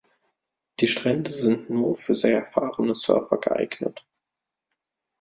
Die Strände sind nur für sehr erfahrene Surfer geeignet.